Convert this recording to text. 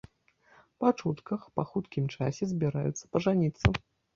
Па чутках, па хуткім часе збіраюцца пажаніцца.